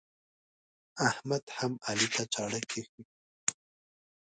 احمد هم علي ته چاړه کښوي.